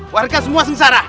warga semua sengsara